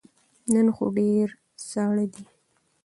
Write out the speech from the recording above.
نن خو ډیر ساړه دی